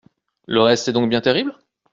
Le reste est donc bien terrible ?